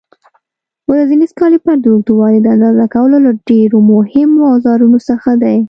ورنیر کالیپر د اوږدوالي د اندازه کولو له ډېرو مهمو اوزارونو څخه دی.